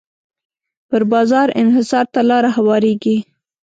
پر بازار انحصار ته لاره هواریږي.